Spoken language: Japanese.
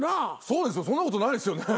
そうですよそんなことないですよね。